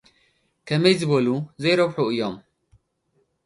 ከመይ ዝበሉ ዘይረብሑ እዮም።